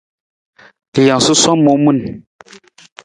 Rijang susowang muu min.